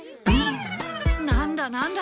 なんだなんだ？